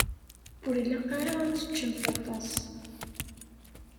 Ur ilaq ara ad teččemt aṭas.